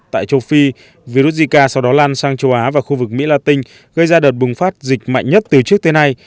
tại châu phi virus zika sau đó lan sang châu á và khu vực mỹ la tinh gây ra đợt bùng phát dịch mạnh nhất từ trước tới nay